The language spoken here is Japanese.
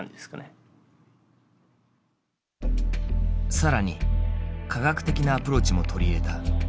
更に科学的なアプローチも取り入れた。